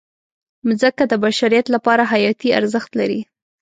مځکه د بشریت لپاره حیاتي ارزښت لري.